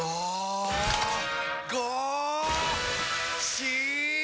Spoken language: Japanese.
し！